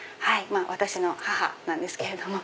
私の母なんですけれども。